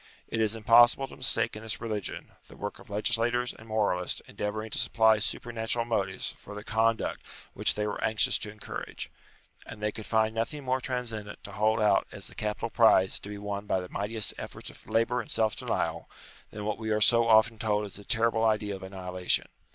It is impossible to mistake in this religion, the work of legislators and moralists endeavouring to supply supernatural motives for the conduct which they were anxious to encourage ; and they could find nothing more transcendant to hold out as the capital prize to be won by the mightiest efforts of labour and self denial, than what we are so often told is the terrible idea of annihilation.